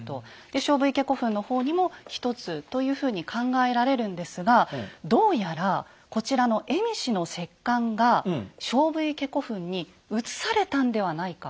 で菖蒲池古墳の方にも１つというふうに考えられるんですがどうやらこちらの蝦夷の石棺が菖蒲池古墳に移されたんではないか。